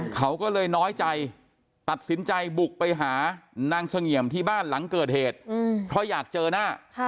เขาก็เลยน้อยใจตัดสินใจบุกไปหานางเสงี่ยมที่บ้านหลังเกิดเหตุเพราะอยากเจอหน้า